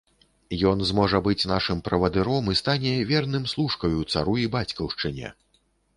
Ён зможа быць нашым правадыром і стане верным служкаю цару і бацькаўшчыне.